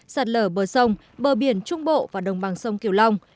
sạt lở bờ sông bờ biển trung bộ và đồng bằng sông kiều long